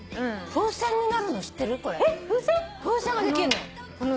風船ができるの。